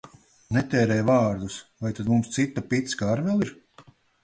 Netērē vārdus! Vai tad mums cita picka ar vēl ir?